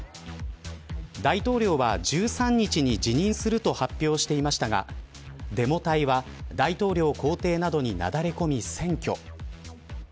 大統領は１３日に辞任すると発表していましたがデモ隊は、大統領公邸などになだれ込み占拠。